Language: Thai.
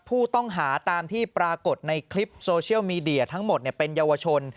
ผู้ต้องหาตามที่ปรากฏในคลิปโซเชียลมีเดียทั้งหมดเป็นเยาวชน